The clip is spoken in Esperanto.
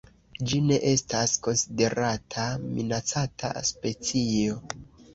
Ĝi ne estas konsiderata minacata specio.